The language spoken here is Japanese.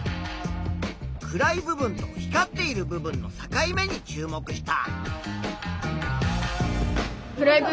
暗い部分と光っている部分の境目に注目した。